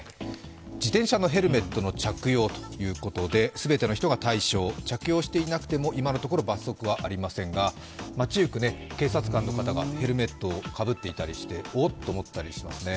自転車のヘルメットの着用ということで全ての人が対象、着用していなくても今のところ罰則はありませんが、街行く警察官の方がヘルメットをかぶっていたりしてオッと思ったりしますね。